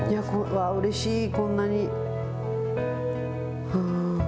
ああ、うれしい、こんなに。